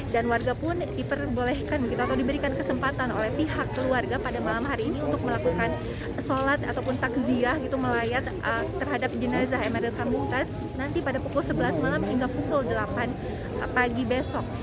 dan warga pun diperbolehkan atau diberikan kesempatan oleh pihak keluarga pada malam hari ini untuk melakukan sholat ataupun takziah melayat terhadap jenazah emeril penungkes nanti pada pukul sebelas malam hingga pukul delapan pagi besok